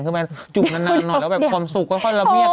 ใช่ไหมจุบนานหน่อยแล้วความสุกก็คราวเรียกไป